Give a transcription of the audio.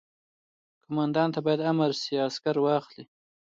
قوماندان ته باید امر شي عسکر واخلي.